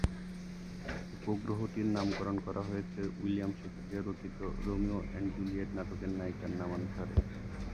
উপগ্রহটির নামকরণ করা হয়েছে উইলিয়াম শেকসপিয়র রচিত "রোমিও অ্যান্ড জুলিয়েট" নাটকের নায়িকার নামানুসারে।